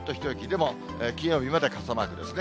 でも金曜日まで傘マークですね。